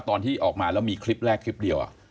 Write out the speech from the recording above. ตอนที่ออกมาแล้วมีคลิปแรกคลิปเดียว